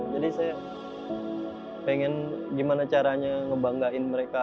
jadi saya pengen gimana caranya ngebanggain mereka